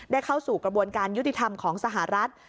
เข้าสู่กระบวนการยุติธรรมของสหรัฐ